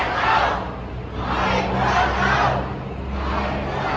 ให้ผู้ห่างเราให้ผู้ห่างเรา